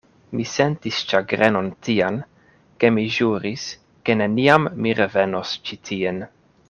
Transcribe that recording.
Mi sentis ĉagrenon tian, ke mi ĵuris, ke neniam mi revenos ĉi tien.